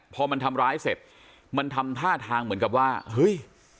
พอมันทำร้ายเสร็จมันทำท่าทางเหมือนกับว่าเฮ้ย